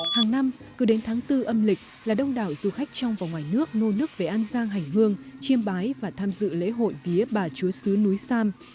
hàng năm cứ đến tháng bốn âm lịch là đông đảo du khách trong và ngoài nước nô nước về an giang hành hương chiêm bái và tham dự lễ hội vía bà chúa sứ núi sam